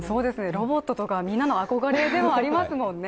ロボットとかみんなの憧れではありますもんね